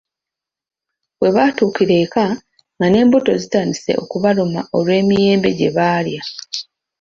Webaatuukira eka nga n’embuto zitandise okubaluma olw’emiyembe gye baalya.